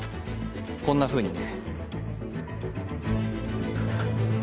こんなふうにね。